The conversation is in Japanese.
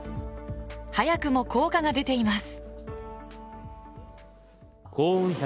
早くも効果が出ています。